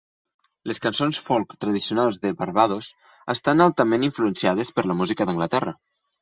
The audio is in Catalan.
Les cançons folk tradicionals de Barbados estan altament influenciades per la música d'Anglaterra.